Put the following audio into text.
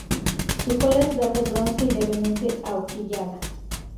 Su cola es verde-bronce y levemente ahorquillada.